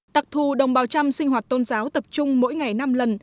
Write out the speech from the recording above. đặc thù đồng bào trăm sinh hoạt tôn giáo tập trung mỗi ngày năm lần